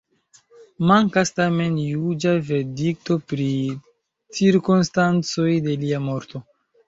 Mankas tamen juĝa verdikto pri cirkonstancoj de lia morto.